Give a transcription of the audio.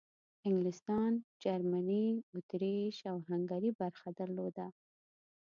انګلستان، جرمني، اطریش او هنګري برخه درلوده.